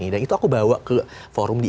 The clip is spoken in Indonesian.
dan itu aku bawa ke forum di